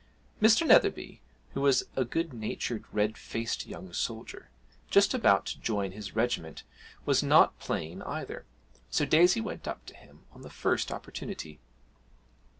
Mr. Netherby, who was a good natured, red faced young soldier, just about to join his regiment, was not playing either, so Daisy went up to him on the first opportunity.